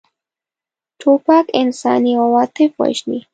توپک انساني عواطف وژني.